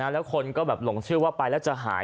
แล้วคนก็แบบหลงเชื่อว่าไปแล้วจะหาย